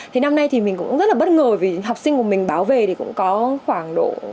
thì năm nay thì mình cũng rất là bất ngờ vì học sinh của mình báo về thì cũng có khoảng độ